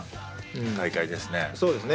そうですね。